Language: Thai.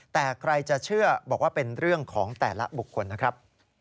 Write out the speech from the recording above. แต่ใครจะเชื่อบอกว่าเป็นเรื่องของแต่ละบุคคลนะครับ